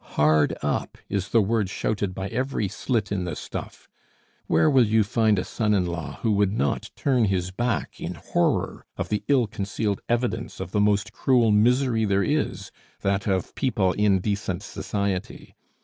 'Hard up' is the word shouted by every slit in the stuff. Where will you find a son in law who would not turn his back in horror of the ill concealed evidence of the most cruel misery there is that of people in decent society?